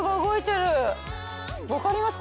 わかりますか？